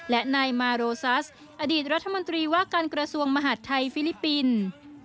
และนายมาโรซัสอดีตรัฐมนตรีว่าการกระทรวงมหาดไทยฟิลิปปินส์